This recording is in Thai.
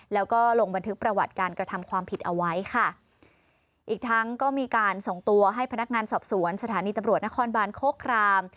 แล้วก็ลงบันทึกประวัติการกระทำความผิดเอาไว้ค่ะอีกทั้งก็มีการส่งตัวให้พนักงานสอบสวนสถานีตำรวจนครบานโคคราม